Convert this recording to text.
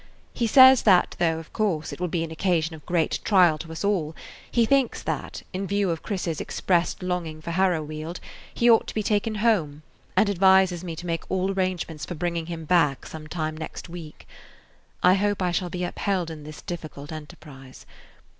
He says that though, of course, it will be an occasion of great trial to us all, he thinks that, in view of Chris's expressed longing for Harrowweald, he ought to be taken home, and advises me to make all arrangements for bringing him back some time next week. I hope I shall be upheld in this difficult enterprise.